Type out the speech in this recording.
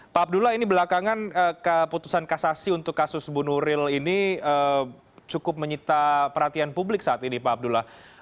pak abdullah ini belakangan keputusan kasasi untuk kasus bu nuril ini cukup menyita perhatian publik saat ini pak abdullah